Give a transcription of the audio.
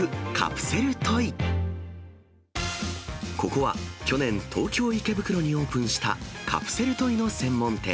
ここは去年、東京・池袋にオープンしたカプセルトイの専門店。